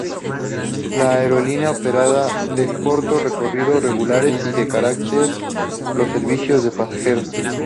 La aerolínea operaba de corto recorrido regulares y chárter los servicios de pasajeros.